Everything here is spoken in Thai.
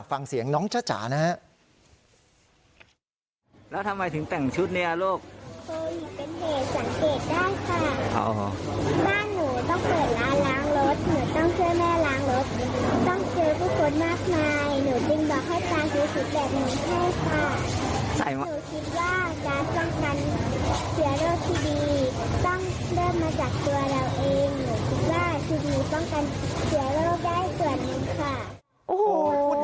ฟังเสียงน้องจ้าจ๋านะฮะแล้วทำไมถึงแต่งชุดเนี้ยโรค